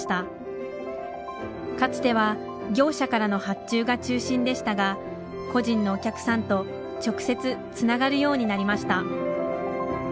かつては業者からの発注が中心でしたが個人のお客さんと直接つながるようになりました。